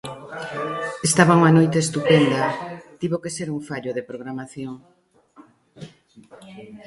Estaba unha noite estupenda, tivo que ser un fallo de programación.